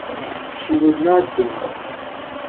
She would not believe.